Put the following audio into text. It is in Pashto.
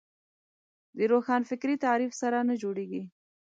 د روښانفکري تعریف سره نه جوړېږي